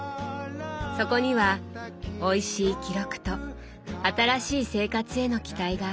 そこにはおいしい記録と新しい生活への期待が詰まっていました。